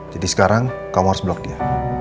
jadi sekarang kamu harus blok dia